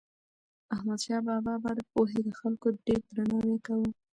احمدشاه بابا به د پوهې د خلکو ډېر درناوی کاوه.